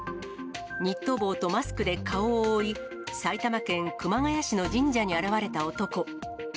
ニット帽とマスクで顔を覆い、埼玉県熊谷市の神社に現れた男。